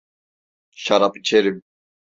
Şarap içerim…